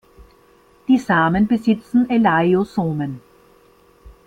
Die Samen besitzen Elaiosomen.